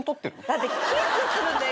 だってキスするんだよ